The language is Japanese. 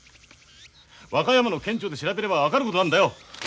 和歌山の県庁で調べれば分かることなんだよ！